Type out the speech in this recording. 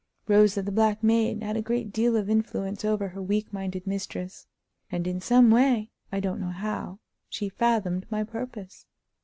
Rosa, the black maid, had a great deal of influence over her weak minded mistress, and in some way—I don't know how—she fathomed my purpose.